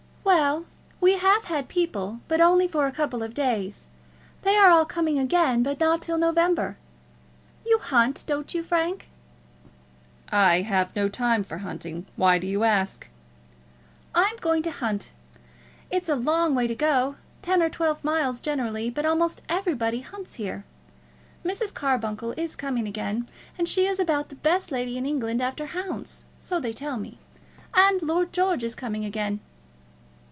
"Well, we have had people, but only for a couple of days. They are all coming again, but not till November. You hunt; don't you, Frank?" "I have no time for hunting. Why do you ask?" "I'm going to hunt. It's a long way to go, ten or twelve miles generally; but almost everybody hunts here. Mrs. Carbuncle is coming again, and she is about the best lady in England after hounds; so they tell me. And Lord George is coming again."